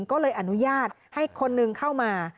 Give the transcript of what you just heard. ก็เลยอนุญาตให้คนหนึ่งเข้ามา